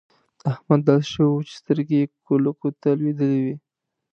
احمد داسې شوی وو چې سترګې يې کولکو ته لوېدلې وې.